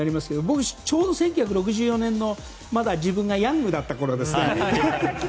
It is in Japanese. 僕、ちょうど１９６４年まだ、自分がヤングだったころ